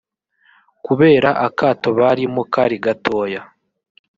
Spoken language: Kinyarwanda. kubera akato barimo kari gatoya